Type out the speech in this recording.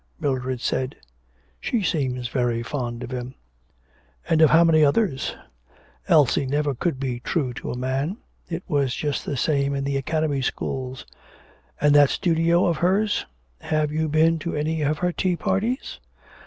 Mildred said: 'She seems very fond of him.' 'And of how many others? Elsie never could be true to a man. It was just the same in the Academy schools. And that studio of hers? Have you been to any of her tea parties?